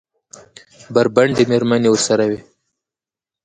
بربنډې مېرمنې ورسره وې.